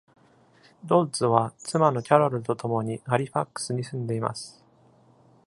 ドッズは妻のキャロルと共にハリファックスに住んでいます。